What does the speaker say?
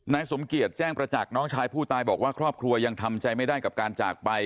สมเกียจแจ้งประจักษ์น้องชายผู้ตายบอกว่าครอบครัวยังทำใจไม่ได้กับการจากไป